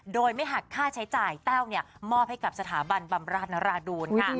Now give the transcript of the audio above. โดยไม่หักค่าใช้จ่ายแต้วมอบให้กับสถาบันบำราชนราดูลค่ะ